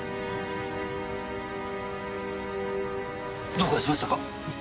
どうかしましたか？